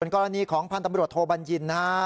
เป็นกรณีของพันธบริโรทโทบัญญินฮะ